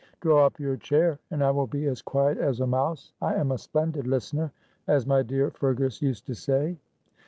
Draw up your chair and I will be as quiet as a mouse. I am a splendid listener, as my dear Fergus used to say."